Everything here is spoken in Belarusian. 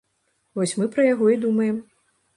Вось мы пра яго і думаем.